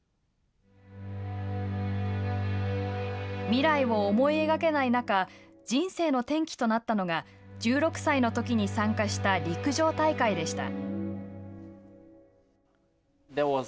未来を思い描けない中人生の転機となったのが１６歳のときに参加した陸上大会でした。